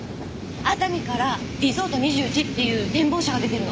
熱海からリゾート２１っていう展望車が出てるの。